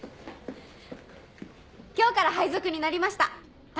今日から配属になりました